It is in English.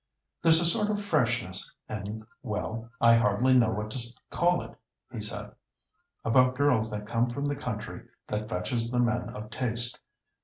"There's a sort of freshness, and, well, I hardly know what to call it," he said, "about girls that come from the country that fetches the men of taste.